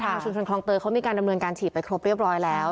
ชุมชนคลองเตยเขามีการดำเนินการฉีดไปครบเรียบร้อยแล้ว